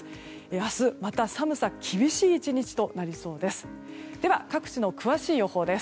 明日、また寒さ厳しい１日となりそうです。